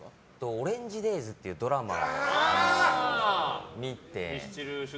「オレンジデイズ」というドラマを見て。